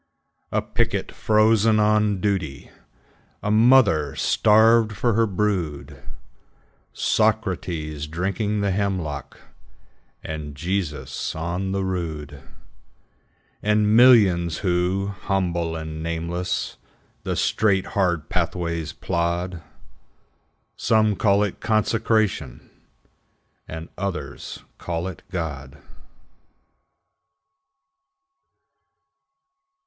A picket frozen on duty, A mother starved for her brood, Socrates drinking the hemlock, And Jesus on the rood; And millions who, humble and nameless, The straight, hard pathways plod, Some call it Consecration, And others call it God.